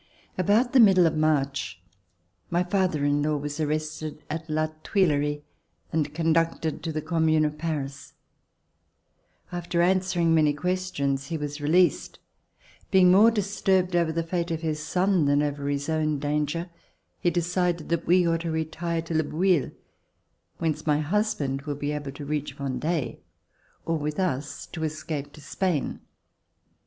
About the middle of March, my father in law was arrested at La Tuilerie and conducted to the Com mune of Paris. After answering many questions, he was released. Being more disturbed over the fate of his son than over his own danger, he decided that we ought to retire to Le Bouilh, whence my husband would be able to reach Vendee or with us to escape to Spain.